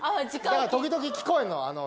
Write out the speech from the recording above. だから時々聞こえるのその。